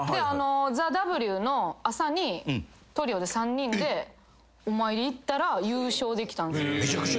ＴＨＥＷの朝にトリオで３人でお参り行ったら優勝できたんです。